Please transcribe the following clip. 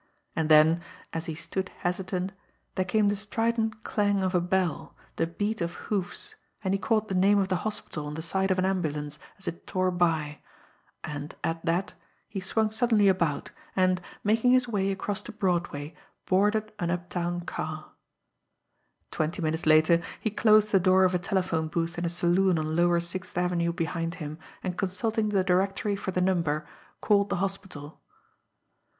And then, as he stood hesitant, there came the strident clang of a bell, the beat of hoofs, and he caught the name of the hospital on the side of an ambulance as it tore by and, at that, he swung suddenly about, and, making his way across to Broadway, boarded an uptown car. Twenty minutes later, he closed the door of a telephone booth in a saloon on lower Sixth Avenue behind him, and consulting the directory for the number, called the hospital.